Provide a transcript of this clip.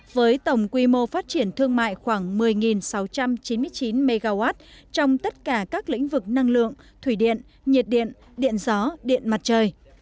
với tổng quy mô phát triển thương mại khoảng một mươi sáu trăm chín mươi chín mw trong tất cả các lĩnh vực năng lượng thủy điện nhiệt điện điện gió điện mặt trời